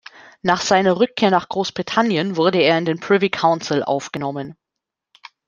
Nach seiner Rückkehr nach Großbritannien wurde er in den Privy Council aufgenommen.